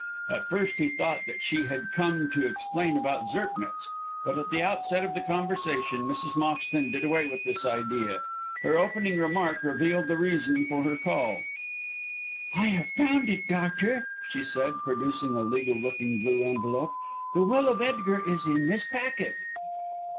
At first he thought that she had come to explain about Zirknitz, but at the outset of the conversation Mrs. Moxton did away with this idea. Her opening remark revealed the reason of her call. "I have found it, doctor," she said, producing a legal looking blue envelope. "The will of Edgar is in this packet."